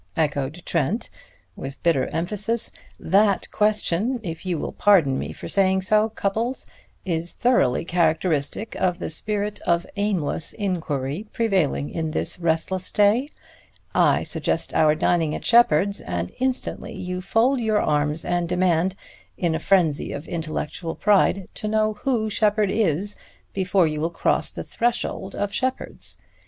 echoed Trent with bitter emphasis. "That question, if you will pardon me for saying so, Cupples, is thoroughly characteristic of the spirit of aimless inquiry prevailing in this restless day. I suggest our dining at Sheppard's and instantly you fold your arms and demand, in a frenzy of intellectual pride, to know who Sheppard is before you will cross the threshold of Sheppard's.